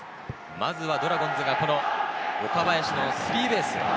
まずはドラゴンズがこの岡林のスリーベース。